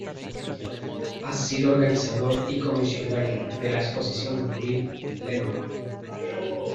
Ha sido organizador y comisario de la exposición Mil·lenum.